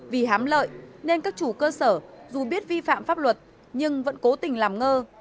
vì hám lợi nên các chủ cơ sở dù biết vi phạm pháp luật nhưng vẫn cố tình làm ngơ